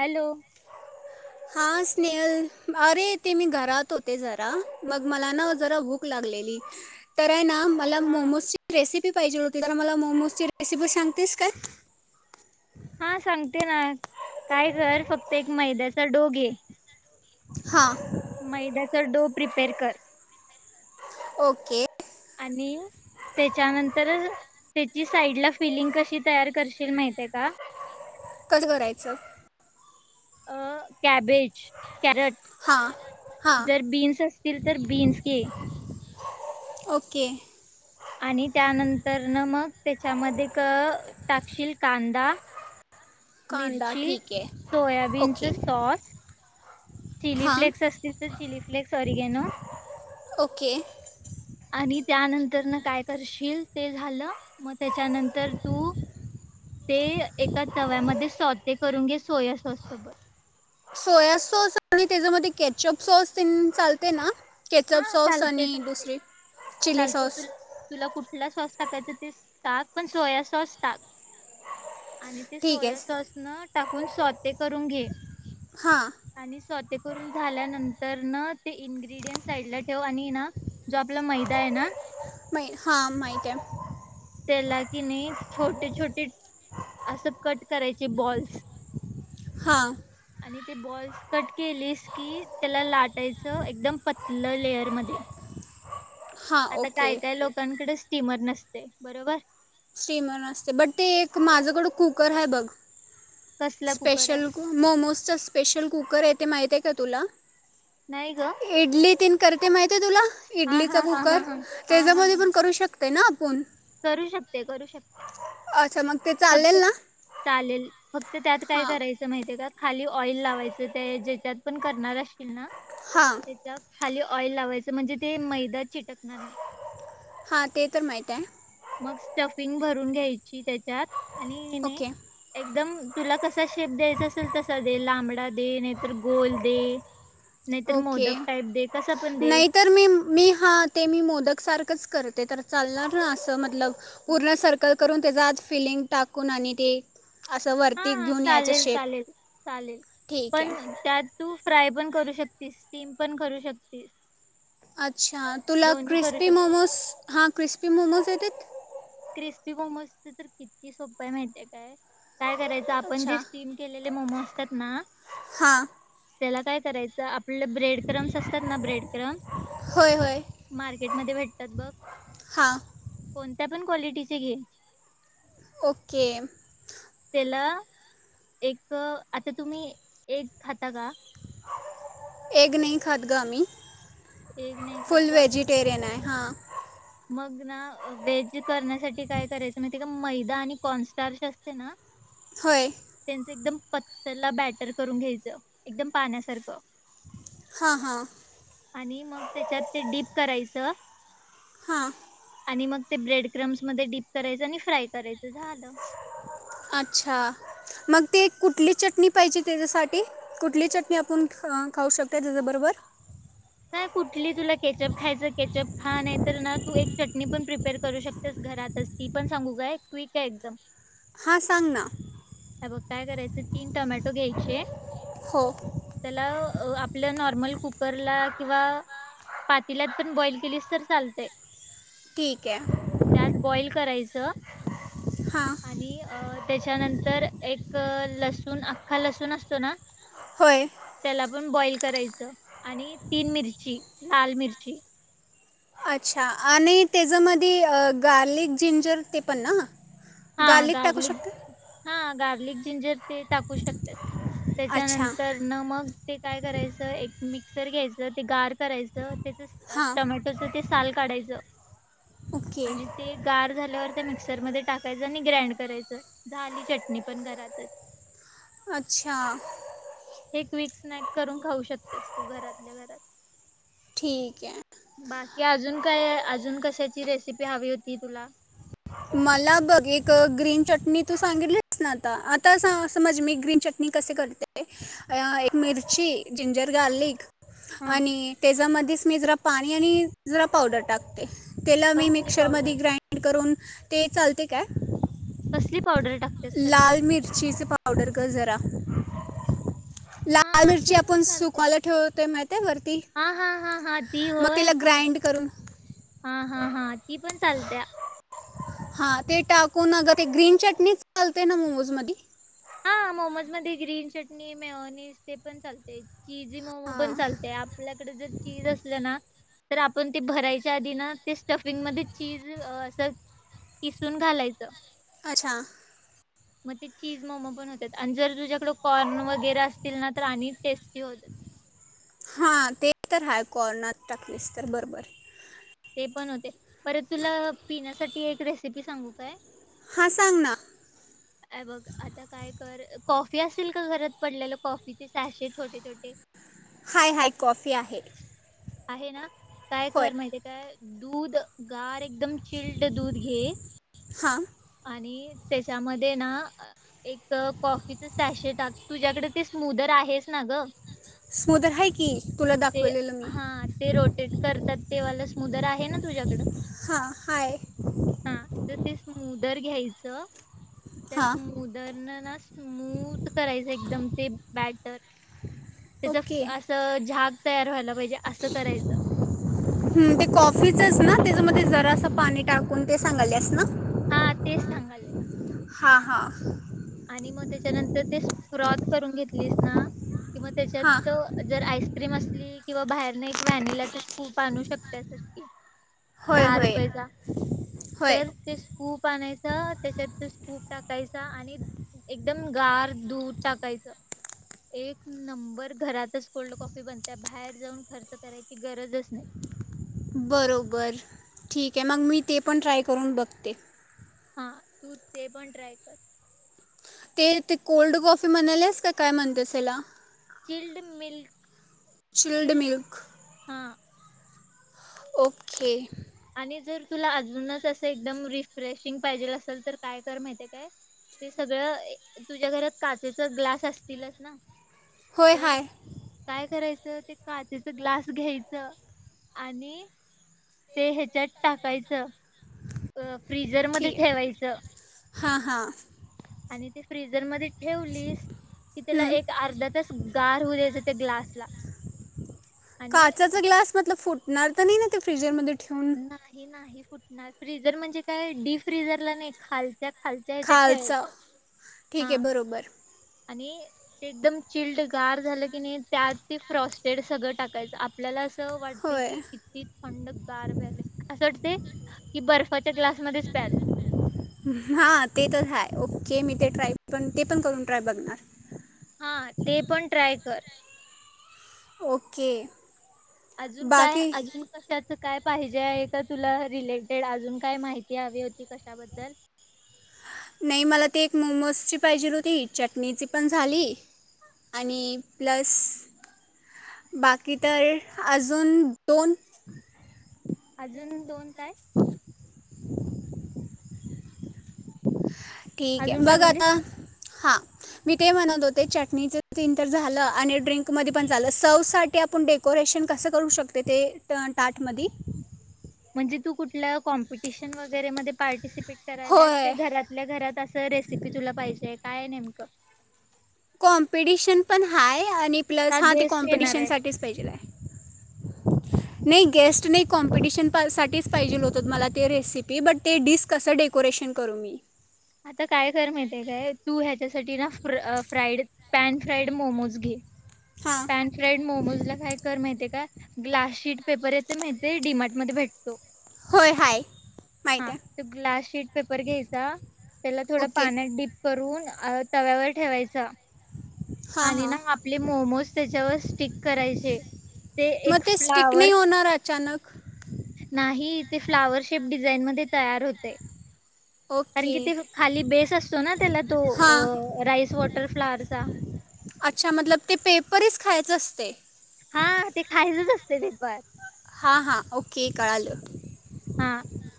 Hello हा स्नेहल अरे ते मी घरात होते जरा मग मला ना जरा भूक लागलेली तर आहे ना मला हा मोमोजची रेसिपी पाहिजेती मला मोमोजची रेसिपी सांगतेस काय? हा सांगते ना. काय कर फक्त एक मैद्याचा डो घे हां मैद्याचा डो प्रिपेअर कर. ओके आणि त्याच्यानंतर त्याची साईड ला फिलिंग कशी तयार करशील माहितीय का? कसं करायचं? अ कॅबेज कॅरट हां हां जर बीन्स असतील तर बीन्स घे. ओके आणि त्यानंत तर ना मग त्याच्यामध्ये क टाकशील कांदा कांदा मिर्ची, ठीक आहे सोयाबीनच ओके सॉस चिली हां फ्लेक् असतील तर चिली फ्लेक्स सॉरी गॅनो ओके आणि त्यानंतर न काय करशील ते झालं. मग त्याच्यानंतर तू ते एका तव्यामध्ये सोते करून घे सोया सॉस सोबत. सोया सॉस आणि त्याच्यामध्ये कॅचअप सॉस तेन चालते ना? हा केचअप सॉस चालते आणि चालते दुसरी चिली सॉस. टाकाच तेच टाक पण सोया सॉस टाक. आणि ते ठीक सोया आहे सॉस न टाकून सोते कर. रुन घे. हां आणि स्वा ते करून झाल्यानंतर न ते इन्ग्र्रीडियंनट्स साईड ला ठेव आणि ना जो आपला मैदा आहे ना मई हा माहित हाय. त्याला की नई छोटे छोटे असं कट करायचे बॉल्स. हा आणि ते बॉल्स कट केलीस की त्याला लाटायचं एकदम पतलं लेयर मध्ये. हां आता काय ओके काय लोकांकडे स्टीमर नसते. बरोबर स्टीमर नसते बट ते एक माझ्याकडं कुकर हाय बघ कसला कुकर आहे स्पेशल मोमोजच स्पेशल कुकर ये ते माहित आहे का तुला? नई ग इडली तीन करते माहितीय तुला? हा इडलीचा हा हा हा कुकर हा हा हा त्याच्यामध्ये हा पण करू शक ते ना आपण करू शकते, करू शकते. अच्छा मग ते फक्त चालेल ना चालेल फक्त त्यात काय हां करायचं माहिती का खाली ऑइल लावायचं ते ज्याच्यात पण करणार अस कि ना हां त्याच्या खाली ऑइल लावायचं म्हणजे ते मैदा चिटकणार नाही. हा ते तर माहित आहे. मग स्टफिंग भरून घ्यायची त्याच्यात. आणि किनाई ओके एकदम तुला कस कसा शेप द्यायचा असेल तसा दे लांबडा दे नाहीतर गोल दे. नाहीतर ओके मोदक टाईप दे कसा पण दे नाहीतर मी मी हा ते मी मोदक सारख कसं करते ते तर चालणार ना असं मतलब पूर्ण सर्कल करून त्याचा आज फिलिंग टाकून आणि ते असं वरती हाा घेऊन यायचं चालेल शेप चालेल चालेल ठीक पण आहे त्यात तू फ्राय पण करू शकतीस, स्टीम पण करू शकतीस. अच्छा तुला दोन्ही करू क्रिस्पी शकते मोमोज हा क्रिस्पी मोमोज येतेत? ते तर किती सोपं हाय माहितीय काय? काय करायं आपण जे अच्छा स्टीम केलेले मोमो असतात ना हां त्याला काय करायचं आप आपले ब्रेड क्रम्स असतात ना ब्रेड क्रम्स होय होय मार्केट मध्ये भेटतात बघ हां कोणत्या पण क्वालिटीचे घे. ओके. त्याला एक आता तुम्ही एग खाता का? एग नाही खात ग आम्ही. एक नाही खात फुल का वेजिटेरियन आहे. हा. मग ना वेज करण्यासाठी काय करायचं माहितेय का, मैदा आणि कॉर्न स्टार्शी असते ना होय त्यांचं एकदम पत्तरला बॅटर करून घ्यायचं एकदम पाण्यासारखं. हां हां आणि मग त्याच्यात ते डीप करायचं हा. आणि मग ते ब्रेड क्रम्समध्ये डीप करायच आणि फ्राय करायच. झालं अच्छा मग ते कुठली चटणी पाहिजे त्याच्यासाठी कुठली चटणी आपण खाऊ शकतो त्याच्याबरोबर कुठली तुला केचप खायच तर केचप खा नाही तर ना तू चटणी पण प्रिपेअर करू शकतेस घरातच ती पण सांगू काय क्लिक आहे एकदम हां सांग ना हे बघ काय करायचं तीन टोमॅटो घ्यायचे हो त्याला आपलं नॉर्मल कुकरला किंवा पातीलात पण बॉईल केलीस तर चालतय ठीक आहे त्यात बॉइल करायच द हां आणि अ त्याच्यानंतर एक लसूण अख्खा लसूण असतो ना होय त्याला पण बॉइल करायचं आणि तीन मिरची लाल मिर्ची अच्छा आणि त्याच्यामध्ये गार्लिक जिंजर ते पण ना हा टाकू गार्लिक शकते हा गार्लिक जिंजर ते टाकू शकतो अच्छा त्याच्यानंतर न मग ते काय करायचं एक? मिक्सर घ्यायच ते गार् करायचं त्याच हां टमॅटोच ते साल काढायचं ओके आणि ते गार झाल्यावर मिक्सरमध्ये टा ह्याच आणि ग्रँड करायचं झाली चटणी पण घरातच अच्छा हे क्विक स्नॅक करून खाऊ शकतेस तू घरातल्या घरात ठीक ये. कि अजून काय अजून कशाची रेसिपी हवी होती तुला? मला बघ एक ग्रीन चटणी तू सांगितलीस ना आता आता समज मी ग्रीन चटणी कसे करते एक मिरची जिंजर गार्लिक हा आणि त्याच्यामध्ये मी जरा पाणी आणि जरा पावडर टाकते त्याला मी कसली मिक्सरमध्ये पावडर ग्राइंड करून ते चालते काय? कसली पावडर टाकतेस खरं लाल मिरचीचे पावडर ग जरा हा लाल मिरची असं पण आपण चालते. सुकावायला ठेवतोय माहित वरती हा हा हा हा ती मग होय त्याला पु- ग्राईंड करून हा हा हा ती पण चालत्या. हा ते टाकून ग ते ग्रीन चटणीच चालतय ना मोमोज मधी हा मोमोज मध्ये ग्रीन चटणी मेऑनीज ते पण चालते. चीजी मोमो हां पण चालतय आपल्याकडे जर चिज असलं ना तर आपण ते भरायच्या आधी ना ते स्टफिंग मध्ये चीज असं किसून घालायचं अच्छा मग ते चीज मोमो पण हो तेच आणि जर तुझ्या थोडं कॉर्न वगैरे असतील ना तर आणि टेस्टी होत हा ते तर हा कॉर्न नात टाकलेस तर बरबर ते पण होते परत तुला पिण्यासाठी एक रेसिपी सांगू काय? हां सांग ना हे बघ आता काय कर कॉफी असेल का घरात पडलेलं कॉफीचे सॅशे छोटे छोटे हाय हाय कॉफी आहे. आहे ना? काय होय कर माहितीय काय दूध गारे एकदम चिल्ड दूध घे हां आणि त्याच्यामध्ये ना एक कॉफीच सॅशे टाक तुझ्याकडे ते स्मूदर आहेच ना गं स्मुदर हाय की तुला ते दाखवलेलं मी हा ते रोटेट करतात ते वालं स्मूदर आहे ना तुझ्याकडं हा हाय हा तर ते स्मुदर घ्यायचं - ते हां स्मुदरनं ना स्मूद करायचं एकदम ते बॅटर त्याच असं झाग तयार व्हायल हूं ते कॉफीचच ना त्याच्यामध्ये जरा असं पाणी टाकून ते सांगाल्यास ना हा तेच सांगालय हा हा णि मग त्याच्यानंतर ते स्प्रॉथ करून घेतलीस ना किंवा हां त्याच्यात जर आईस्क्रीम अस किंवा बाहेरने एक व्हॅनिलाचा स्कूप आणू शकतेस च की होय दहा होय रुपयचा होय तर ते स्कूप आणाय तर त्याच्यात तो स्कूप टाकायचा आणि एकदम गार दूध टाकायाचं एक नंबर घरातच कोल्ड कॉफी बनते बाहेर जाऊन खर्च करायची गरजच नाही. बरोबर ठीक आहे मग मी ते पण ट्राय करून बघते. हा तू ते पण ट्राय कर. ते, ते कोल्ड कॉफी म्हणालेस का काय म्हणतेस त्याला? चिल्ड मिल्क चिल्ड हा! ओके! आणि जर तुला अजूनच असं एकदम रिफ्रेशिंग पाहिजेल असेल तर काय कर, माहिेती काय ते सगळं तुझ्या घरात काचेच ग्लास असतीलच ना होय तर हाय काय करायचं? त ते काचेच ग्लास घ्यायच आणि ते ह्याच्यात टाकायचं. अ फ्रिजर मध्ये ठेवायचं. हा हा! आणि ते फ्रिजरमध्येच ठेवलीस कि त्याला एक अर्धा तास गार होऊ द्यायच त्या ग्लासला. आणि काचाचा ग्लास मतलब फुट नार्त त नही ना ते फ्रीजरमध्ये ठेवून नाही, नाही. फुटणार फिझर म्हणजे काय डीपफ्रिझरला नाही खालच्या खालच्या ह्याच्यात खालचा ठेवायचं ठीक आहे हा बरोबर. आणि एकदम चिल्ड गार झालं की नाही त्यात ते फ्रॉस्टेड सगळं टाकायचं आपल्याला अस वाटतय होय की किती थंड? अस वाटते की बरं हा ते तर हाय ओ! के मी ते ट्राय पण, ते पण करून ट्राय बघणा. हा ते पण ट्राय कर. ओके! अजून, काय, बाकी अजून कशाच काय? पाहिजे आहे का तुला रिलेटेड अजून काय माहिती हवी होती कशाबद्दल? नाही मला ते एक मोमोजची पाहिजेल होती चटणीची पण झाली आणि प्लस बाकी तर अजून दोन [inaudible] अजून दोन ताय? ठीक हे अजून काय बघ आता बोललीस? हा! मी ते म्हणत होते चटणीच तीन तर झालं, आणि ड्रिंक मध्ये पण झालं, सर्व्हसाठी आपुण डेकोरेशन कसं करू शकते ते ट ताट मधी. जी तू कुठल्या कॉम्पिटिशन वगैरे मध्ये पार्टिसिप पीठ करायल्यास होय घरातल्या घरात अस तर रेसिपी तुला पाहिजे काय नेमकं कॉम्पिटिशन पण हाय आणि का प्लस हा ते गेस्ट येणार आहेत? कॉम्पिटिशनसाठीठीच पाहिजेला आहे नाही गेस्ट नाही कॉम्पिटिशनसाठीठीच पाहिजे होत मला ते रेसिपी बट ते डिश कसं डेकोरेशन करू मी आता काय कर माहित आहे काय तू ह्याच्यासाठी ना फ फ्राईड पॅन फ्राईड मोमोज घे हां पॅन फ्राईड मोमोजला काय कर माहितीये काय ग्लास शीट पेपर येत माहती डडीमार्ट मध्ये भेटतो. होय हाय माहीत हा आहे ग्लास शीट पेपर घ्यायचा त्याला थोड ओके पाण्यात डीप करून अ तव्यावर ठेवायचा हां आणि हां ना आपले मोमोज त्याच्यावर स्टिक करायचे ते मग एक ते स्टिक फ्लावर नाही होणार अचानक नाही ते फ्लावर शेप डिझाईन मध्ये तयार होते कारण कि ओके ते खाली बेस असतो ना त्याला तो हां राईस वॉटर फ्लावरचा अच्छा मतलब ते पेपरच खायचं असते हा ते खायचच असते वेपर हा हा ओके ओके कळाल हा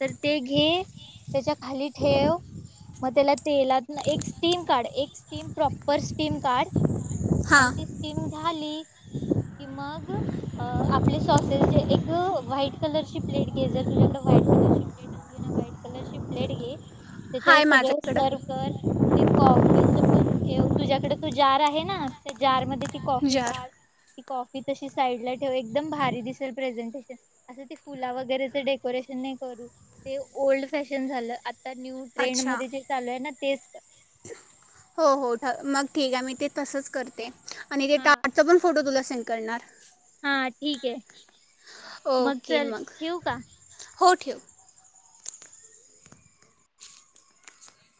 तर ते घे त्याच्या खाली ठेव मग त्याला तेलात एक स्टीम काढ एक स्टीम प्रॉपर स्टीम काढ आणि ती हां स्टीम झाली की मग, अ आपले सॉसेस जे एक व्हाईट कलर ची प्लेट घे जर तुझ्याकडे व्हाईट कलरची प्लेट असली ना व्हाईट कलरची प्लेट घे त्याच्यावर हाय सगळं सर्व माझ्याकडं कर ते कॉफीच पण ठेव तुझ्याकडे तो जार आहे ना त्या जार मध्ये ती कॉफी जार काढ कॉफी तशी साईडला ठेवू एकदम भारी दिसेल प्रेझेंटेशन असं त फुला वगैरेचं डेकोरेशन नाही करू ते ओल्ड फॅशन झालं न्यू ट्रेंड अच्छा मध्ये जे चालू आहे ना तेच कर हो हो ठ मग ठीक आहे मी ते तसंच करते आणि ते हा ताटाचा पण फोटो तुला करणार हा ठीक आहे मग चल ठेऊ का हो ठेव.